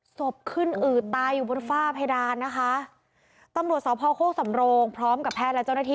ศพขึ้นอืดตายอยู่บนฝ้าเพดานนะคะตำรวจสพโคกสำโรงพร้อมกับแพทย์และเจ้าหน้าที่